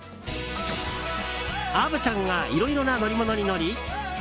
虻ちゃんがいろいろな乗り物に乗り